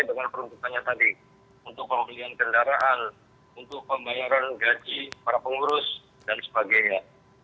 dengan peruntukannya tadi untuk pembelian kendaraan untuk pembayaran gaji para pengurus dan sebagainya